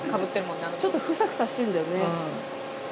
ちょっとフサフサしてるんだよね。